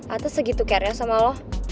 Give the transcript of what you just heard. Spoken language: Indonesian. ata segitu care nya sama lo